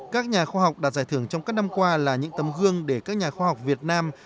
các nhà khoa học đạt giải thưởng trong các năm qua là những tấm gương để các nhà khoa học việt nam